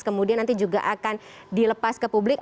kemudian nanti juga akan dilepas ke publik